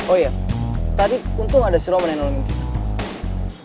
oh iya tadi untung ada si roman yang nolongin kita